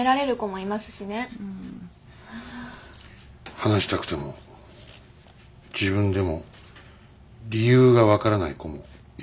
話したくても自分でも理由が分からない子もいると思います。